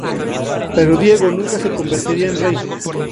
Pero Diego nunca se convertiría en rey.